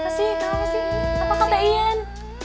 apa sih apa kata ian